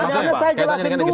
kaitannya saya jelasin dulu